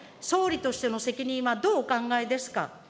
総理としての責任はどうお考えですか。